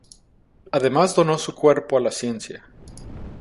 Además donó su cuerpo a la ciencia.